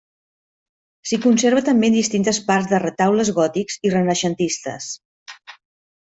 S'hi conserven també distintes parts de retaules gòtics i renaixentistes.